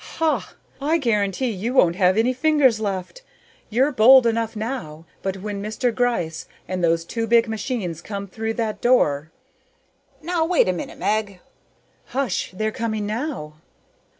"Hah! I guarantee you won't have any fingers left. You're bold enough now, but when Mr. Gryce and those two big machines come through that door " "Now wait a minute, Meg " "Hush! They're coming now!"